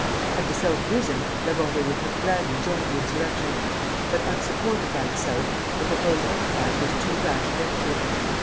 Had the South risen, La Vendée would have gladly joined the insurrection; but unsupported by the South, the proposed enterprise was too rash a venture.